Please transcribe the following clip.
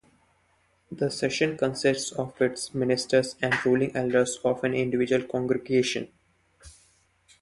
The Session consists of its ministers and ruling elders of an individual congregation.